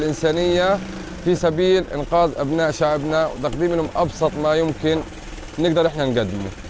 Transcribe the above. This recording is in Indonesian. kita harus berdoa untuk mengembangkan mereka